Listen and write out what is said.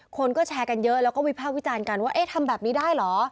คนก็แชร์กันเยอะแล้วก็วิภาควิจารณ์กันว่าเอ๊ะทำแบบนี้ได้เหรอ